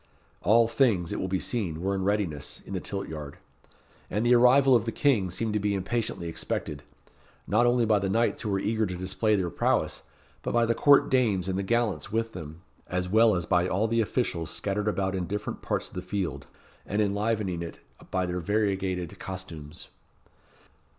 All things, it will be seen, were in readiness, in the tilt yard, and the arrival of the King seemed to be impatiently expected not only by the knights who were eager to display their prowess, but by the court dames and the gallants with them, as well as by all the officials scattered about in different parts of the field, and enlivening it by their variegated costumes.